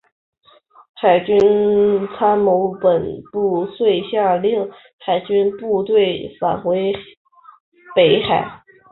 海军参谋本部遂下令海军部队返回北海。